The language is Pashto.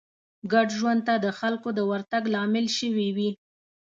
ګډ ژوند ته د خلکو د ورتګ لامل شوې وي